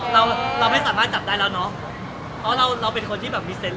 ตอนนี้ไม่มีกลิ่นใช่ไหม